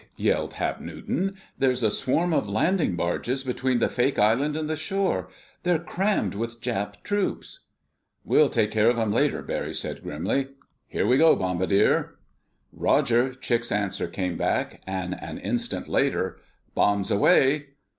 yelled Hap Newton. "There's a swarm of landing barges between the fake island and the shore. They're crammed with Jap troops." "We'll take care of them later," Barry said grimly. "Here we go, bombardier." "Roger!" Chick's answer came back ... and an instant later: "Bombs away!"